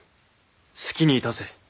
好きにいたせ。